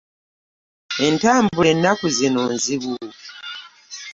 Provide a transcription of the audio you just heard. Entambula ennaku zino nzibu.